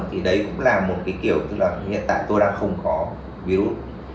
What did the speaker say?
thì đấy cũng là một cái kiểu tức là hiện tại tôi đang không có virus